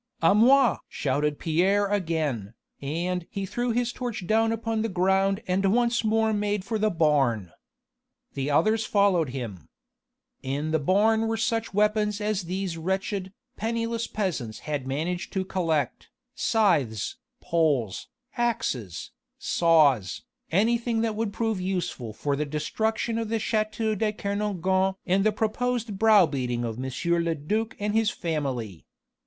"A moi!" shouted Pierre again, and he threw his torch down upon the ground and once more made for the barn. The others followed him. In the barn were such weapons as these wretched, penniless peasants had managed to collect scythes, poles, axes, saws, anything that would prove useful for the destruction of the château de Kernogan and the proposed brow beating of M. le duc and his family.